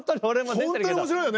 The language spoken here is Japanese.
本当に面白いよね。